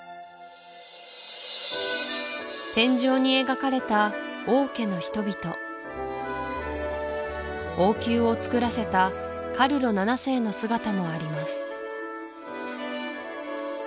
天井に描かれた王家の人々王宮をつくらせたの姿もあります